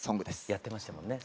やってましたもんね